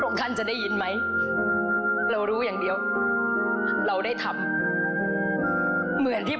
ของท่านได้เสด็จเข้ามาอยู่ในความทรงจำของคน๖๗๐ล้านคนค่ะทุกท่าน